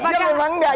dia memang enggak